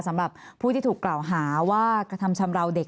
สำหรับผู้ที่ถูกกล่าวหาว่ากระทำชำราวเด็ก